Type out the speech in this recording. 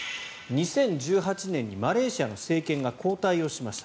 ２０１８年にマレーシアの政権が交代しました。